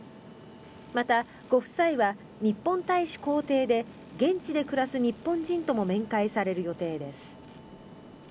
また、ご夫妻は日本大使公邸で現地で暮らす日本人とも面会される予定です。